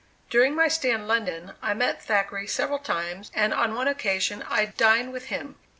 During my stay in London, I met Thackeray several times, and on one occasion I dined with him.